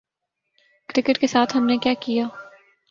Cricket کے ساتھ ہم نے کیا کیا؟